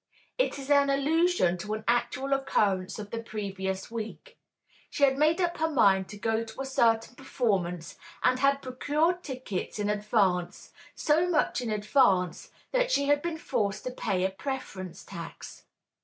It is an allusion to an actual occurrence of the previous week. She had made up her mind to go to a certain performance and had procured tickets in advance, so much in advance that she had been forced to pay a preference tax.